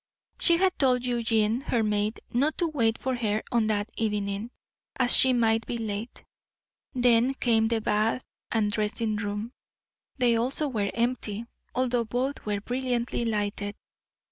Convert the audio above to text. She had told Eugenie, her maid, not to wait for her on that evening, as she might be late. Then came the bath and dressing room; they also were empty, although both were brilliantly lighted.